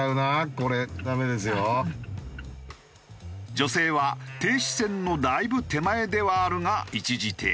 女性は停止線のだいぶ手前ではあるが一時停止。